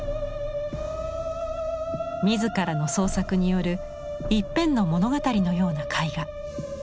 自らの創作による一編の物語のような絵画。